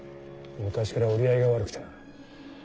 昔から折り合いが悪くてな。